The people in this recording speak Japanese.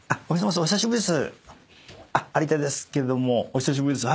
お久しぶりです。